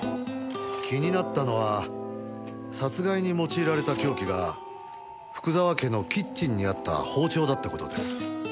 気になったのは殺害に用いられた凶器が福沢家のキッチンにあった包丁だった事です。